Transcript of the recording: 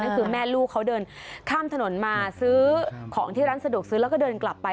ก็คือแม่ลูกเขาเดินข้ามถนนมาซื้อของที่ร้านสะดวกซื้อแล้วก็เดินกลับไป